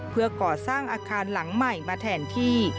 เพื่อก่อสร้างอาคารหลังใหม่มาแทนที่